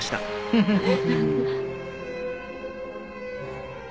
フフフフ。